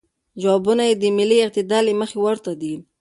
جوابونه د ملی اعتدال له مخې ورته دی.